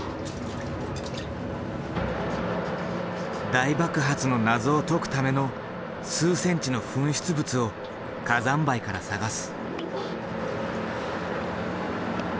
大爆発の謎を解くための数センチの噴出物を火山灰から探す。